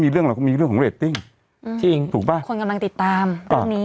เรื่องอะไรก็มีเรื่องเรตติ้งจริงถูกปะคนกำลังติดตามตรงนี้